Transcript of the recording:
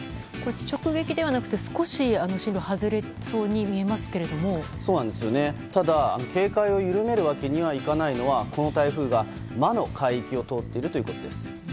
直撃ではなくて少し進路を外れそうに警戒を緩めるわけにはいかないのはこの台風が魔の海域を通っているということです。